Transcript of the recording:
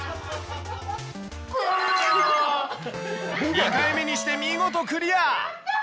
２回目にして見事クリア！